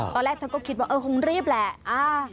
ตอนแรกเธอก็คิดว่าเออคงรีบแหละ